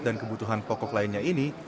dan kebutuhan pokok lainnya ini